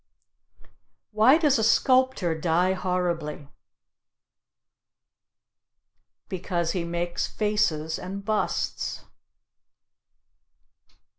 Why does a sculptor die horribly? Because he makes faces and busts.